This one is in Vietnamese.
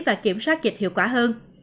và kiểm soát dịch hiệu quả hơn